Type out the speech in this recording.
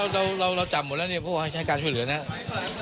เราเราเราจำหมดแล้วนี่พวกเค้าให้การช่วยเหลือนะครับ